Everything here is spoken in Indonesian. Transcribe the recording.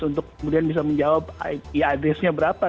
untuk kemudian bisa menjawab ya address nya berapa